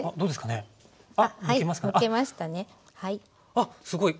あっすごい！